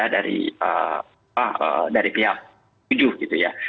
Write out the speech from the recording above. dari pihak jujur